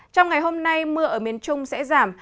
trong ngày hôm nay mưa ở miền trung sẽ giảm